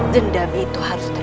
dendam itu harus terima